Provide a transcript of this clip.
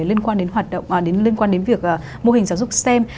liên quan đến việc mô hình giáo dục stem